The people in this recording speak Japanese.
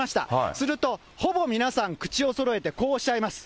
すると、ほぼ皆さん、口をそろえてこうおっしゃいます。